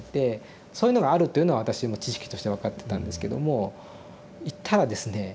そういうのがあるっていうのは私も知識として分かってたんですけども行ったらですね